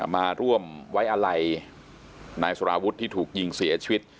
มาร่วมไว้อะไรนายสารวุฒิที่ถูกยิงเสียชีวิต